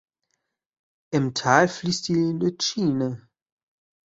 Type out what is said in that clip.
Im Tal fliesst die Lütschine.